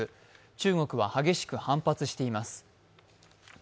中国は激しく反発しています。